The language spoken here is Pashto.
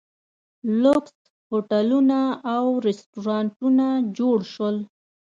لوکس هوټلونه او ریسټورانټونه جوړ شول.